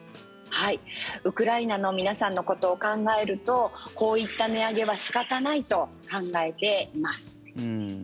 ウクライナの皆さんのことを考えるとこういった値上げは仕方ないと考えています。